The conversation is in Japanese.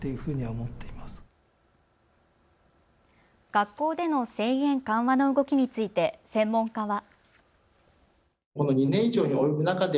学校での制限緩和の動きについて専門家は。